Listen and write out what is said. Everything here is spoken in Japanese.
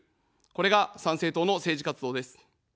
これが参政党の政治活動です。